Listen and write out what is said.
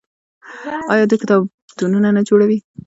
آیا دوی کتابتونونه نه جوړوي؟